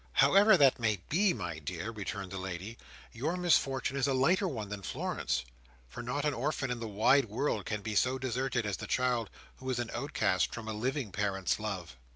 "However that may be, my dear," returned the lady, "your misfortune is a lighter one than Florence's; for not an orphan in the wide world can be so deserted as the child who is an outcast from a living parent's love."